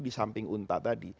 disamping unta tadi